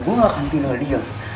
gue gak akan tira liang